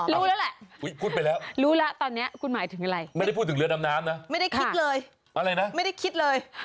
รู้แล้วแหละพูดไปแล้วรู้แล้วตอนนี้คุณหมายถึงอะไรไม่ได้พูดถึงเรือดำน้ำนะไม่ได้คิดเลยอะไรนะไม่ได้คิดเลย